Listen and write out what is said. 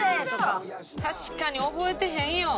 確かに覚えてへんよ。